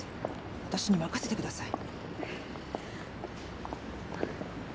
わたしに任せてください。